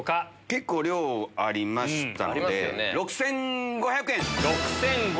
結構量ありましたので６５００円。